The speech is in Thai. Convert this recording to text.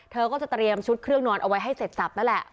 เธอก็จะเตรียมชุดเครื่องนอนเอาไว้ให้เสร็จสับนั่นแหละ